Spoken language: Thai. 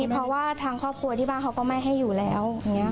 เพราะว่าทางครอบครัวที่บ้านเขาก็ไม่ให้อยู่แล้ว